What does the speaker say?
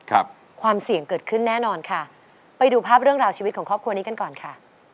ความเสี่ยงเกิดขึ้นแน่นอนค่ะไปดูภาพเรื่องราวชีวิตของครอบครัวนี้กันก่อนค่ะ